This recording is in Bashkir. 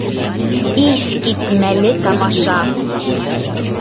Иҫ китмәле тамаша!